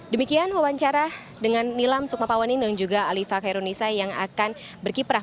demikian wawancara dengan nilam sukmapawanin dan juga alifa kairunisa yang akan berkiprah